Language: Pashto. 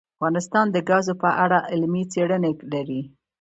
افغانستان د ګاز په اړه علمي څېړنې لري.